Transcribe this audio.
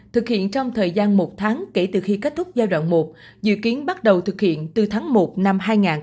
thực hiện trong thời gian một tháng kể từ khi kết thúc giai đoạn một dự kiến bắt đầu thực hiện từ tháng một năm hai nghìn hai mươi